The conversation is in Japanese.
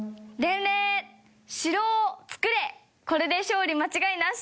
これで勝利間違いなし！